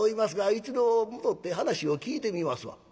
一度戻って話を聞いてみますわ』。